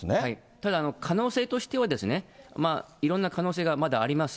ただ可能性としては、いろんな可能性がまだあります。